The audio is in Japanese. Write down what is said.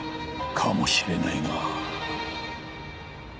かもしれないな。